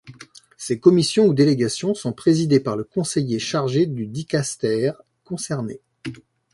Ces commissions ou délégations sont présidées par le conseiller chargé du dicastère concerné.